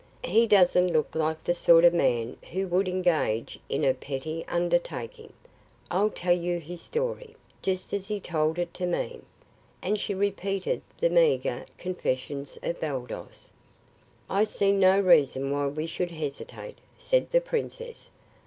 "He doesn't look like the sort of man who would engage in a petty undertaking. I'll tell you his story, just as he told it to me," and she repeated the meagre confessions of Baldos. "I see no reason why we should hesitate," said the princess.